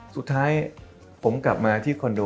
สุดท้ายผมกลับมาที่คอนโด